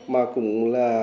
mà cũng là